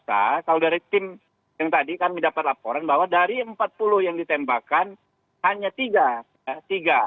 kalau dari tim yang tadi kami dapat laporan bahwa dari empat puluh yang ditembakkan hanya tiga